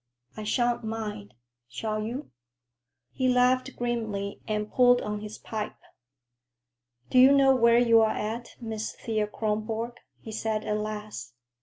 "I shan't mind. Shall you?" He laughed grimly and pulled on his pipe. "Do you know where you're at, Miss Thea Kronborg?" he said at last.